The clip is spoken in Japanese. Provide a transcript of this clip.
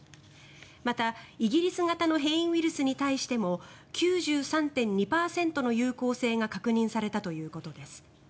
また、イギリス型の変異ウイルスに対しても９３．２％の有効性が確認されたということです。